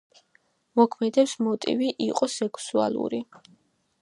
მოქმედების მოტივი იყო სექსუალური.